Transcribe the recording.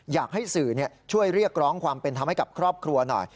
อยากให้สื่อช่วยเรียกร้องความเป็นธรรมให้กับครอบครัวหน่อย